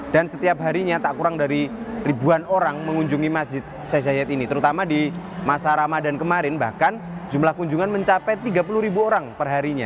dan setiap harinya tak kurang dari ribuan orang mengunjungi masjid sheikh zayed ini terutama di masa ramadan kemarin bahkan jumlah kunjungan mencapai tiga puluh ribu orang perharinya